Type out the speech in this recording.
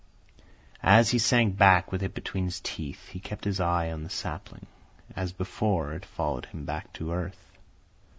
As he sank back with it between his teeth, he kept his eye on the sapling. As before, it followed him back to earth.